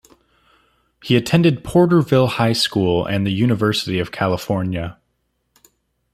He attended Porterville High School and the University of California.